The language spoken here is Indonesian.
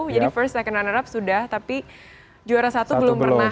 jadi first second runner up sudah tapi juara satu belum pernah